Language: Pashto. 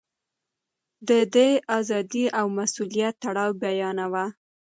ده د ازادۍ او مسووليت تړاو بيانوه.